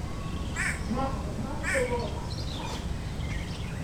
Madge has a map of the world on her shell.